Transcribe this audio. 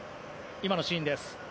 今のシーンです。